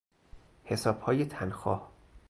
حسابهای تنخواه